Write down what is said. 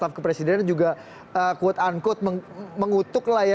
staff kepresiden juga quote unquote mengutuk lah ya